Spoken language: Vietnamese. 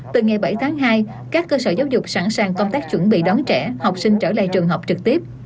từ ngày bảy tháng hai các cơ sở giáo dục sẵn sàng công tác chuẩn bị đón trẻ học sinh trở lại trường học trực tiếp